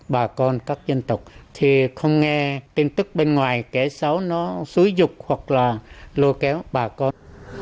bà con các dân tộc thì không nghe tin tức bên ngoài kẻ xấu nó xúi dục hoặc là lôi kéo bà con